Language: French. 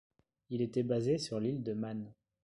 Il était basé sur l'île de Man.